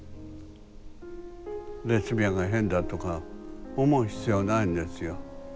レズビアンが変だとか思う必要ないんですよ。